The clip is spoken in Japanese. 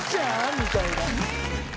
みたいな。